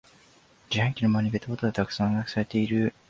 自販機の周りにペットボトルがたくさん捨てられてる